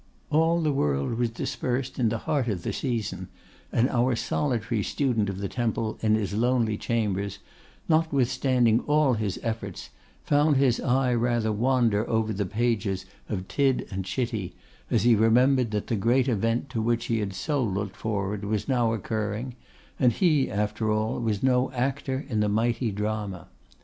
All the world was dispersed in the heart of the season, and our solitary student of the Temple, in his lonely chambers, notwithstanding all his efforts, found his eye rather wander over the pages of Tidd and Chitty as he remembered that the great event to which he had so looked forward was now occurring, and he, after all, was no actor in the mighty drama.